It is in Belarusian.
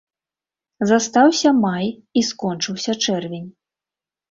Застаўся май, і скончыўся чэрвень.